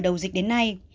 đầu dịch đến nay